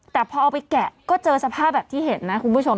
แต่พอเอาไปแกะก็เจอสภาพแบบที่เห็นนะคุณผู้ชม